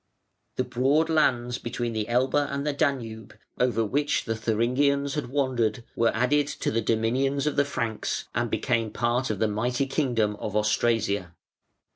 The broad lands between the Elbe and the Danube, over which the Thuringians had wandered, were added to the dominions of the Franks and became part of the mighty kingdom of Austrasia.